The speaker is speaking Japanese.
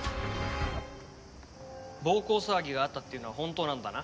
暴行騒ぎがあったっていうのは本当なんだな？